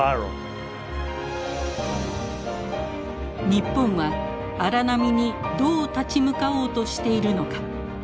日本は荒波にどう立ち向かおうとしているのか。